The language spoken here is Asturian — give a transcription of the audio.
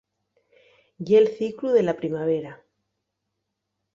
Ye'l ciclu de la primavera.